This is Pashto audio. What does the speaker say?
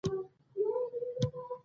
د راشن لپاره اړ شوې وه.